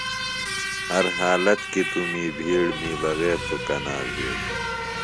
ہر حالت کی توۡ می بِھیڑ می بغیر توۡ کنا بِھیڑ۔